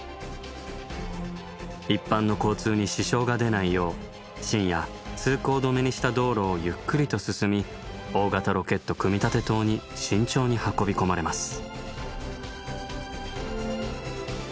一般の交通に支障が出ないよう深夜通行止めにした道路をゆっくりと進み大型ロケット組立棟に慎重に運び込まれます。